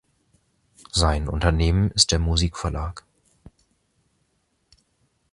Sein Unternehmen ist der Musikverlag.